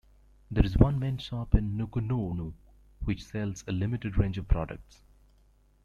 There is one main shop in Nukunonu which sells a limited range of products.